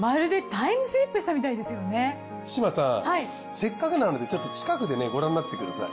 せっかくなのでちょっと近くでねご覧になってください。